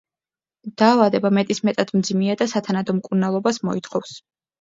დაავადება მეტისმეტად მძიმეა და სათანადო მკურნალობას მოითხოვს.